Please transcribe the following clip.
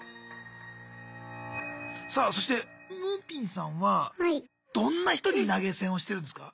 さあそしてむーぴんさんはどんな人に投げ銭をしてるんですか？